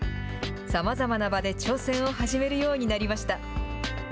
さまざまな場で挑戦を始めるようになりました。